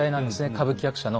歌舞伎役者の。